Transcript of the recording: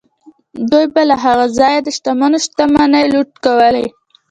دوی به له هغه ځایه د شتمنو شتمنۍ لوټ کولې.